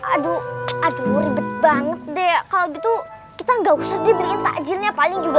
aduh aduh ribet banget deh kalau gitu kita nggak usah diberikan takjilnya paling juga